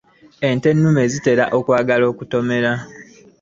Ente ennume zitera okwagala okutomera.